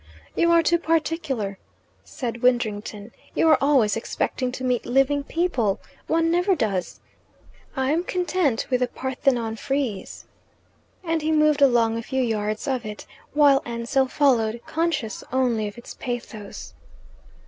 "You are too particular," said Widdrington. "You are always expecting to meet living people. One never does. I am content with the Parthenon frieze." And he moved along a few yards of it, while Ansell followed, conscious only of its pathos.